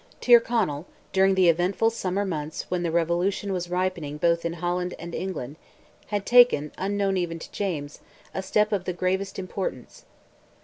Tyrconnell, during the eventful summer months when the revolution was ripening both in Holland and England, had taken, unknown even to James, a step of the gravest importance.